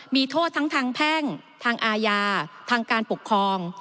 มีโทษทั้งทางแพ่งทางอาญาทางการปกครอง